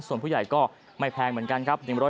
ส่วนผู้ใหญ่ก็ไม่แพงเหมือนกันครับ